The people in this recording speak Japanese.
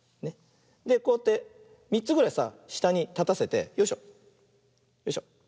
でこうやって３つぐらいさしたにたたせてよいしょよいしょ。